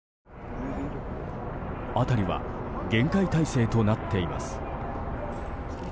辺りは厳戒態勢となっています。